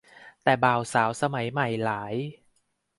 แต่บ่าวสาวสมัยใหม่หลาย